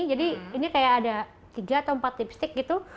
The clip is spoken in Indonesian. jadi ini kayak ada tiga atau empat lipstick gitu